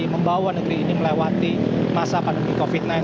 membawa negeri ini melewati masa pandemi covid sembilan belas